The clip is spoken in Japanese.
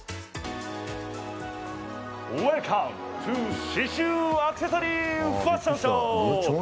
ウエルカムトゥー刺しゅうアクセサリーファッションショー！